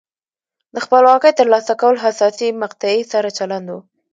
د خپلواکۍ ترلاسه کول حساسې مقطعې سره چلند و.